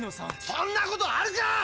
そんなことあるか！